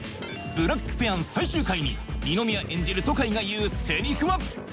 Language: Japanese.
「ブラックペアン」最終回に二宮演じる渡海が言うセリフは？